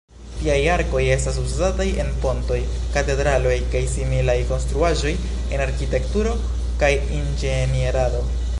Tiaj arkoj estas uzataj en pontoj, katedraloj kaj similaj konstruaĵoj en arkitekturo kaj inĝenierado.